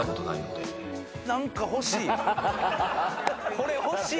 これ欲しい。